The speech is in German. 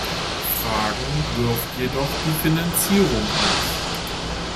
Fragen wirft jedoch die Finanzierung auf.